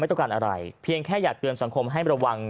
ต้องการอะไรเพียงแค่อยากเตือนสังคมให้ระวัง